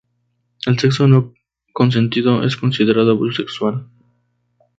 El sexo no consentido es considerado abuso sexual.